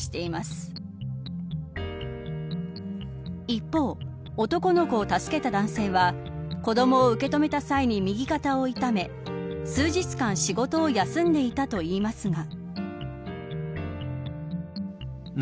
一方、男の子を助けた男性は子どもを受け止めた際に右肩を痛め数日間、仕事を休んでいたといいますが。